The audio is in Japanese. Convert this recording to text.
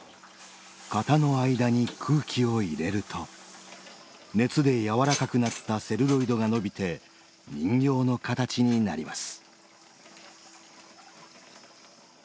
型の間に空気を入れると熱でやわらかくなったセルロイドがのびて人形の形になります。